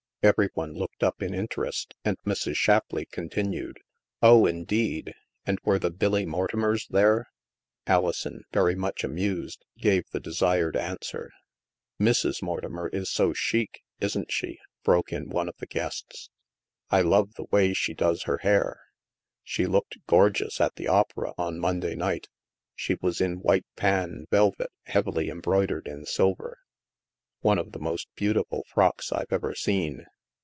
Every one looked up in interest, and Mrs. Shap leigh continued: "Oh, indeed! And were the Billy Mortimers there ?'' Alison, very much amused, gave the desired an swer. " Mrs. Mortimer is so chic, isn't she ?" broke in one of the guests. " I love the way she does her hair. She looked gorgeous at the Opera, on Mon day night ; she was in white panne velvet heavily em broidered in silver, — one of the most beautiful frocks I've ever seen.